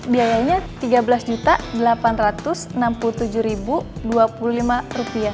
biayanya rp tiga belas delapan ratus enam puluh tujuh dua puluh lima